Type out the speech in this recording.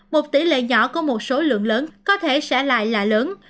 một tỷ lệ nhỏ của một số lượng lớn có thể sẽ lại là lớn